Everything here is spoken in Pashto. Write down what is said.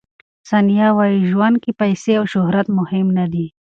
ثانیه وايي، ژوند کې پیسې او شهرت مهم نه دي.